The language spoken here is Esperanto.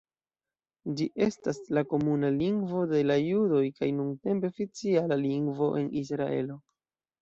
Ĝi estas la komuna lingvo de la judoj, kaj nuntempe oficiala lingvo en Israelo.